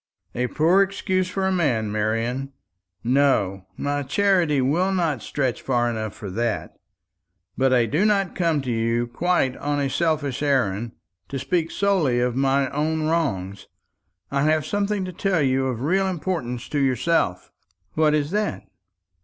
"A poor excuse for a man, Marian. No, my charity will not stretch far enough for that. But I do not come to you quite on a selfish errand, to speak solely of my own wrongs. I have something to tell you of real importance to yourself." "What is that?"